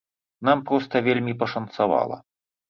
Нам проста вельмі пашанцавала.